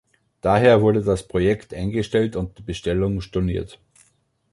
Daher wurde das Projekt eingestellt und die Bestellung storniert.